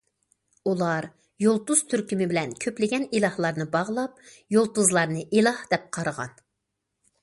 ئۇلار يۇلتۇز تۈركۈمى بىلەن كۆپلىگەن ئىلاھلارنى باغلاپ، يۇلتۇزلارنى ئىلاھ دەپ قارىغان.